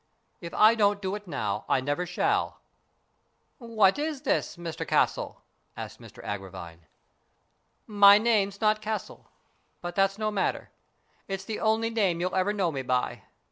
If I don't do it now, I never shall." " What is it, Mr Castle ?" asked Mr Agravine. " My name's not Castle, but that's no matter. It's the only name you'll ever know me by.